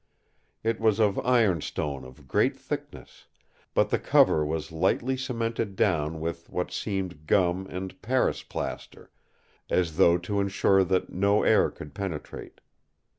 It was of ironstone of great thickness; but the cover was lightly cemented down with what seemed gum and Paris plaster, as though to insure that no air could penetrate.